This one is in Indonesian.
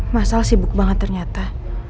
masalah sibuk banget ternyata